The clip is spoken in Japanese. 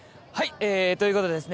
えということでですね